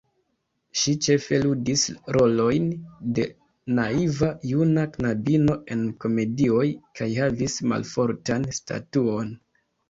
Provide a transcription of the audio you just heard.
Ŝi ĉefe ludis rolojn de naiva juna knabino en komedioj kaj havis malfortan statuon.